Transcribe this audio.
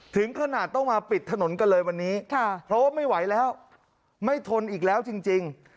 ถึงขนาดต้องมาปิดถนนกันเลยวันนี้เพราะว่าไม่ไหวแล้วไม่ทนอีกแล้วจริง